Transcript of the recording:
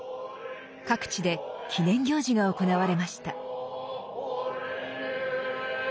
各地で記念行事が行われました。